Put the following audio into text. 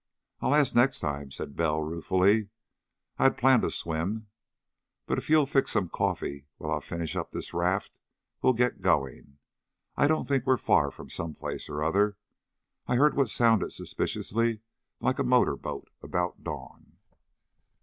"I'll ask, next time," said Bell ruefully. "I'd planned a swim. But if you'll fix some coffee while I finish up this raft, we'll get going. I don't think we're far from some place or other. I heard what sounded suspiciously like a motor boat, about dawn."